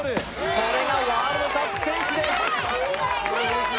これがワールドカップ戦士です！